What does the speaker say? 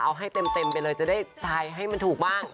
เอาให้เต็มไปเลยจะได้ตายให้มันถูกบ้าง